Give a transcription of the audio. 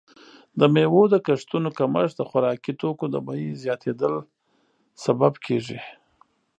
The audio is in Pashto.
د میوو د کښتونو کمښت د خوراکي توکو د بیې زیاتیدل سبب کیږي.